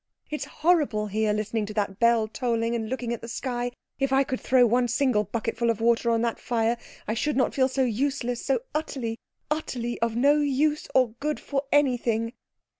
"It's horrible here, listening to that bell tolling, and looking at the sky. If I could throw one single bucketful of water on the fire I should not feel so useless, so utterly, utterly of no use or good for anything."